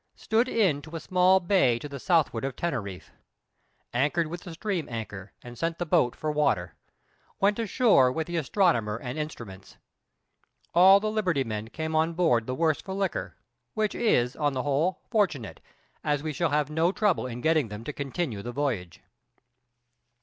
Stood in to a small bay to the southward of Teneriffe. Anchored with the stream anchor, and sent the boat for water. Went ashore with the astronomer and instruments. All the liberty men came on board the worse for liquor, which is, on the whole, fortunate, as we shall have no trouble in getting them to continue the voyage.